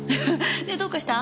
どうかした？